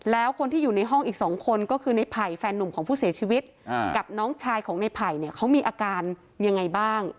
แล้วคนที่อยู่ในห้องอีก๒คนก็คือในไผ่แฟนนุ่มของผู้เสียชีวิตกับน้องชายของในไผ่เนี่ยเขามีอาการยังไงบ้าง